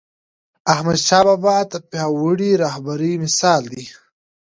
احمدشاه بابا د پیاوړي رهبر مثال دی..